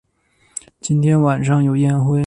今天晚上有宴会